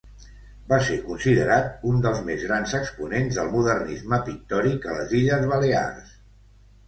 Va ser considerat un dels més grans exponents del modernisme pictòric a les Illes Balears.